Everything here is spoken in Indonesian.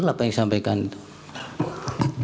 apakah yang ingin disampaikan itu